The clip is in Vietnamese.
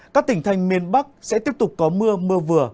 các tỉnh thành miền bắc sẽ tiếp tục có mưa mưa vừa